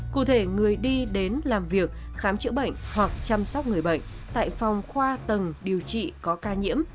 cụ thể người đi đến làm việc khám chữa bệnh hoặc chăm sóc người bệnh tại phòng khoa tầng điều trị có ca nhiễm